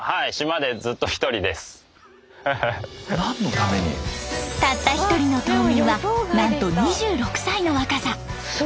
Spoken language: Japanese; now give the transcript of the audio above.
たった１人の島民はなんと２６歳の若さ。